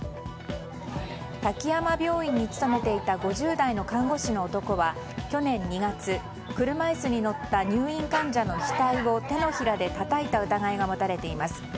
滝山病院に勤めていた５０代の看護師の男は去年２月、車椅子に乗った入院患者の額を手のひらでたたいた疑いが持たれています。